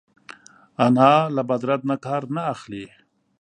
انا له بد رد نه کار نه اخلي